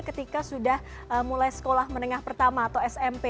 ketika sudah mulai sekolah menengah pertama atau smp